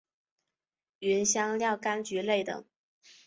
芸香科柑橘类等。